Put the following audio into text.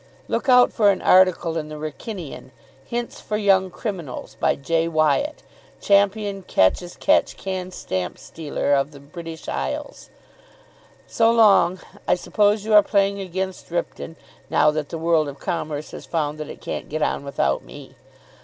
Look out for an article in the Wrykynian, 'Hints for Young Criminals, by J. Wyatt, champion catch as catch can stamp stealer of the British Isles.' So long. I suppose you are playing against Ripton, now that the world of commerce has found that it can't get on without me.